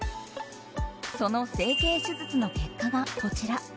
その整形手術の結果がこちら。